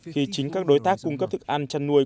khi chính các đối tác cung cấp thức ăn chăn nuôi